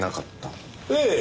ええ。